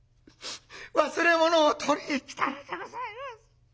忘れ物を取りに来たのでございます。